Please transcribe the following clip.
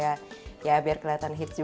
dan yang ketiga produk yang angkat di jalan